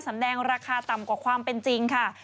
แสดงราคาต่ำกว่าความเป็นจริงค่ะ